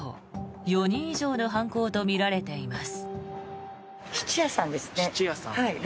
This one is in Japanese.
４人以上の犯行とみられています。